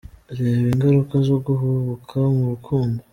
Reba ingaruka zo guhubuka mu rukundo.